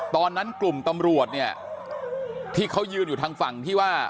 ตอนนั้นกลุ่มตำรวจเนี่ยที่เขายืนอยู่ทางฝั่งที่ว่า